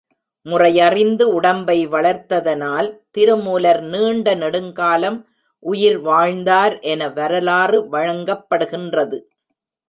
முறையறிந்து உடம்பை வளர்த்ததனால், திருமூலர் நீண்ட நெடுங்காலம் உயிர் வாழ்ந்தார் என வரலாறு வழங்கப்படுகின்றது.